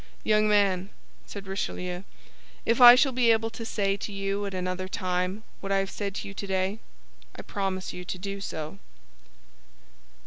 "Young man," said Richelieu, "if I shall be able to say to you at another time what I have said to you today, I promise you to do so."